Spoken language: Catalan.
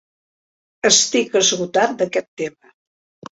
Estic esgotat d'aquest tema.